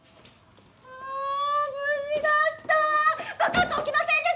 あ無事だった爆発は起きませんでした！